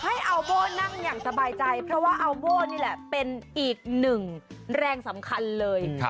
อัลโบ้นั่งอย่างสบายใจเพราะว่าอัลโบ้นี่แหละเป็นอีกหนึ่งแรงสำคัญเลย